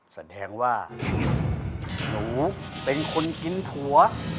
แสดงว่าหนูเป็นคนกินผัว